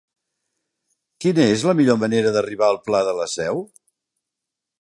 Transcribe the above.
Quina és la millor manera d'arribar al pla de la Seu?